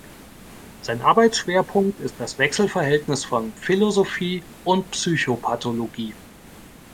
Sein Arbeitsschwerpunkt ist das Wechselverhältnis von Philosophie und Psychopathologie.